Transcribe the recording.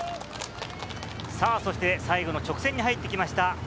そして最後の直線に入ってきました。